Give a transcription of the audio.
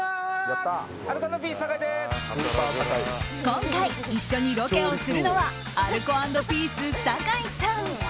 今回、一緒にロケをするのはアルコ＆ピース、酒井さん。